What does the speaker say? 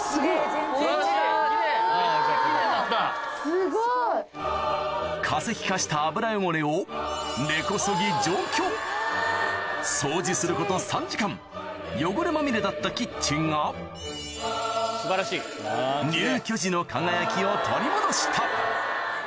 すごい！化石化した油汚れを根こそぎ除去掃除すること３時間汚れまみれだったキッチンが入居時の輝きを取り戻した